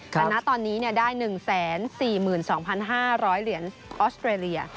การณะตอนนี้เนี่ยได้๑๔๒๕๐๐เหรียญออสเตรเลีย